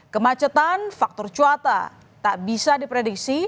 kemacetan faktor cuaca tak bisa diprediksi